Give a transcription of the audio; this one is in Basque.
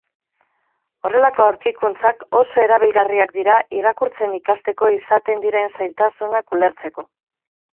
Horrelako aurkikuntzak oso erabilgarriak dira irakurtzen ikasteko izaten diren zailtasunak ulertzeko.